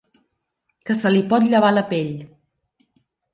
Que se li pot llevar la pell.